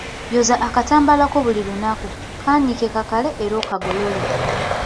Yoza akatambaala ko buli lunaku, kaanike kakale era okagolole.